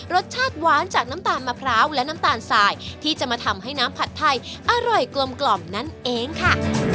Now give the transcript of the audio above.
รสชาติหวานจากน้ำตาลมะพร้าวและน้ำตาลสายที่จะมาทำให้น้ำผัดไทยอร่อยกลมนั่นเองค่ะ